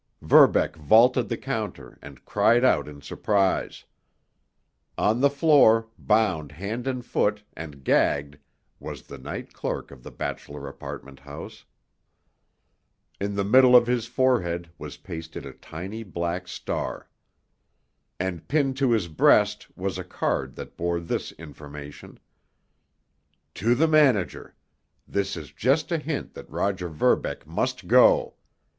Verbeck vaulted the counter, and cried out in surprise. On the floor, bound hand and foot, and gagged, was the night clerk of the bachelor apartment house. In the middle of his forehead was pasted a tiny black star! And pinned to his breast was a card that bore this information: To the Manager: This is just a hint that Roger Verbeck must go.